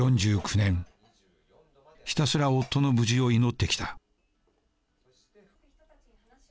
ひたすら夫の無事を祈ってきた。